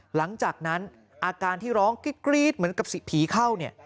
หลังจากนั้นอาการที่ร้องกรี๊ดเหมือนกับผีเข้าเนี่ย